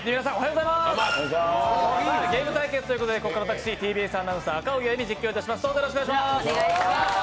ゲーム対決ということでここから私、ＴＢＳアナウンサー、赤荻歩、実況致します。